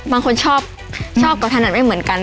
บางคนชอบชอบกับถนัดไม่เหมือนกัน